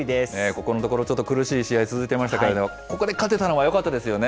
ここのところ、ちょっと苦しい試合続いていましたけれども、ここで勝てたのはよかったですよね。